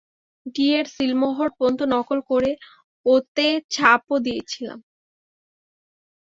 ডি-এর সিলমোহর পর্যন্ত নকল করে ওতে ছাপও দিয়েছিলাম।